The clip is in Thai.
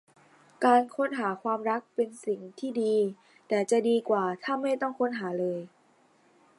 การค้นหาความรักเป็นสิ่งที่ดี แต่จะดีกว่าถ้าไม่ต้องค้นหาเลย